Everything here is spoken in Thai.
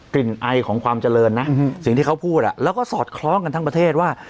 ไอของความเจริญนะสิ่งที่เขาพูดแล้วก็สอดคล้องกันทั้งประเทศว่า